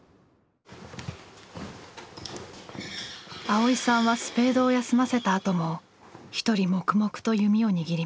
蒼依さんはスペードを休ませたあとも一人黙々と弓を握ります。